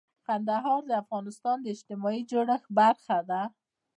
کندهار د افغانستان د اجتماعي جوړښت برخه ده.